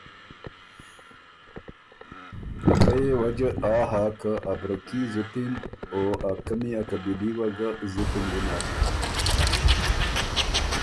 ته پۀ يې وجه آ هۀ که ا بره کي زُت اِن او ا قمی ا قبیلي وه ګه زُت اِن وینر۔